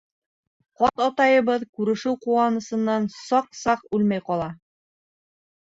Ҡарт атайыбыҙ күрешеү ҡыуанысынан саҡ-саҡ үлмәй ҡала!